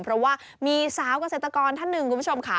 เพราะว่ามีสาวเกษตรกรท่านหนึ่งคุณผู้ชมค่ะ